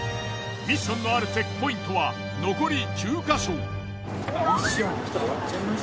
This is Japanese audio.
ミッションのあるチェックポイントは残り９か所。